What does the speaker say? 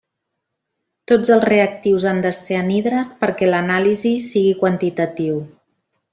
Tots els reactius han de ser anhidres perquè l'anàlisi sigui quantitatiu.